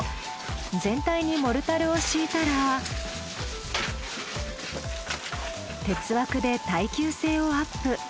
全体にモルタルを敷いたら鉄枠で耐久性をアップ。